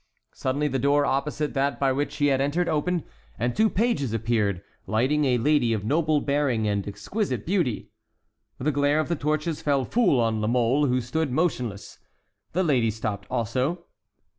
Suddenly the door opposite that by which he had entered opened, and two pages appeared, lighting a lady of noble bearing and exquisite beauty. The glare of the torches fell full on La Mole, who stood motionless. The lady stopped also.